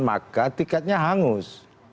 maka tiketnya hangus